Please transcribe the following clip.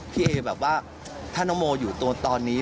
พี่เอแบบว่าถ้าน้องโมอยู่ตอนนี้